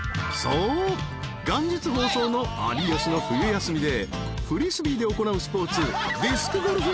元日放送の『有吉の冬休み』でフリスビーで行うスポーツ］